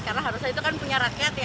karena harusnya itu kan punya rakyat ya